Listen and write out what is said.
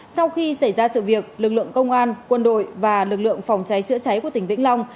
sau khi xảy ra sự việc lực lượng công an quân đội và lực lượng phòng cháy chữa cháy của tỉnh vĩnh long